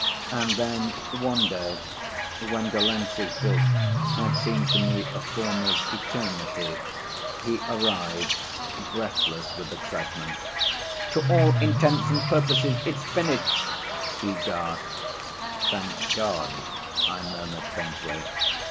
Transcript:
And then, one day, when Delancey's book had become to me a form of eternity, he arrived, breathless with excitement. "To all intents and purposes, it's finished," he gasped. "Thank God," I murmured faintly.